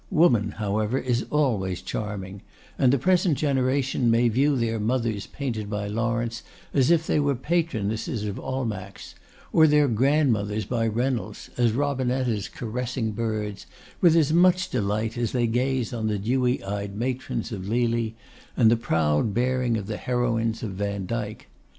Woman, however, is always charming; and the present generation may view their mothers painted by Lawrence, as if they were patronesses of Almack's; or their grandmothers by Reynolds, as Robinettas caressing birds, with as much delight as they gaze on the dewy eyed matrons of Lely, and the proud bearing of the heroines of Vandyke.